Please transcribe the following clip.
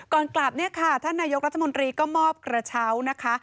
ก่อนกลับเนี่ยค่ะท่านนายกรัฐมนตรีก็มอบกระเช้านะคะ